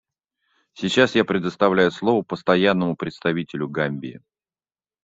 Сейчас я предоставляю слово Постоянному представителю Гамбии.